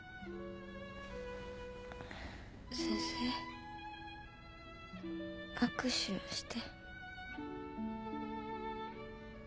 先生握手して。